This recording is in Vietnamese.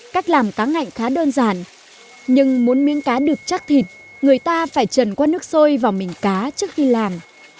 cách làm cá ngạnh khá đơn giản nhưng muốn miếng cá được chắc thịt người ta phải trần qua nước sôi vào mình cá trước khi làm